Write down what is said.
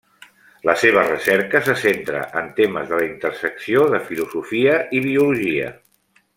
La seva recerca se centra en temes de la intersecció de filosofia i biologia.